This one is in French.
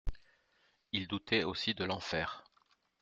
Il doutait aussi de l'enfer.